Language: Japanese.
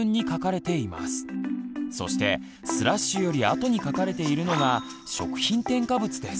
そしてスラッシュよりあとに書かれているのが食品添加物です。